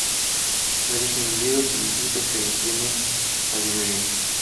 De origen griego, significa la que tiene sabiduría.